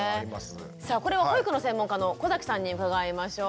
さあこれは保育の専門家の小さんに伺いましょう。